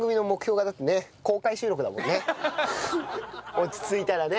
落ち着いたらね。